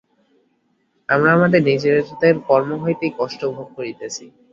আমরা আমাদের নিজেদের কর্ম হইতেই কষ্ট ভোগ করিতেছি।